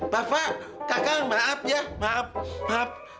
bapak kakak maaf ya maaf maaf